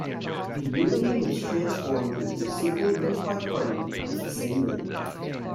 The Union was transformed into a single unified party with the same name.